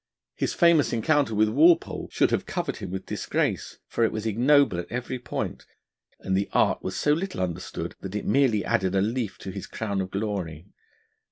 His famous encounter with Walpole should have covered him with disgrace, for it was ignoble at every point; and the art was so little understood, that it merely added a leaf to his crown of glory.